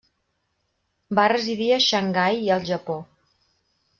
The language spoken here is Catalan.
Va residir a Xangai i al Japó.